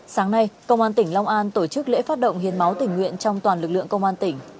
sáng nay công an tỉnh long an tổ chức lễ phát động hiến máu tỉnh nguyện trong toàn lực lượng công an tỉnh